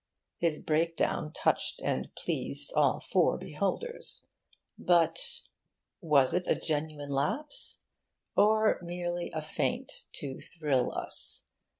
His breakdown touched and pleased all four beholders. But was it a genuine lapse? Or merely a feint to thrill us?